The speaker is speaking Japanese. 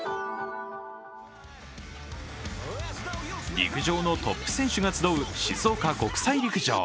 陸上のトップ選手が集う静岡国際陸上。